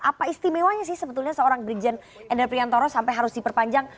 apa istimewanya sih sebetulnya seorang brigjen endar priantoro sampai harus diperpanjang